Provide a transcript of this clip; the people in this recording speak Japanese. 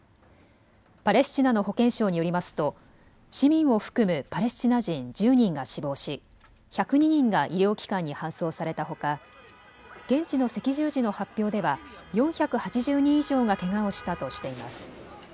パレスチナの保健省によりますと市民を含むパレスチナ人１０人が死亡し、１０２人が医療機関に搬送されたほか、現地の赤十字の発表では４８０人以上がけがをしたとしています。